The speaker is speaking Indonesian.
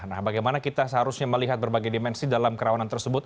nah bagaimana kita seharusnya melihat berbagai dimensi dalam kerawanan tersebut